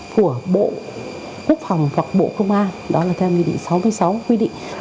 của bộ quốc phòng hoặc bộ công an đó là theo nghị định sáu mươi sáu quy định